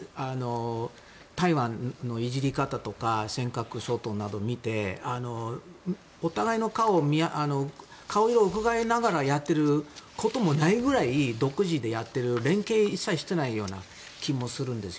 台湾のいじり方とか尖閣諸島などを見てお互いの顔色をうかがいながらやってることもないぐらい独自でやっていて連携を一切していないような気もするんです。